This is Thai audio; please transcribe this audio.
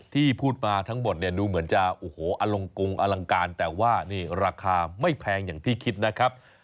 ที่พูดมาทั้งหมดเนี่ยดูเหมือนจะโอ้โหอลงกงอลังการแต่ว่านี่ราคาไม่แพงอย่างที่คิดนะครับ